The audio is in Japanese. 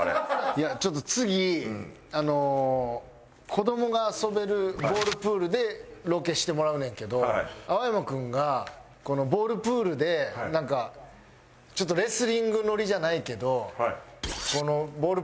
いやちょっと次あの子どもが遊べるボールプールでロケしてもらうねんけど青山君がこのボールプールでなんかちょっとレスリングノリじゃないけどボール